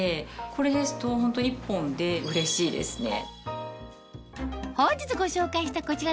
これですとホント１本でうれしいですね。